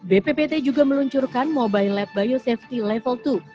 bppt juga meluncurkan mobile lab biosafety level dua